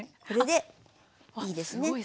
これでいいですね。